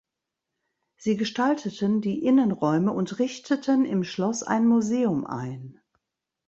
Sie gestalteten die Innenräume und richteten im Schloss ein Museum ein.